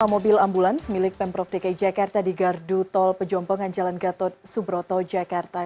enam mobil ambulans milik pemprov dki jakarta di gardu tol pejompongan jalan gatot subroto jakarta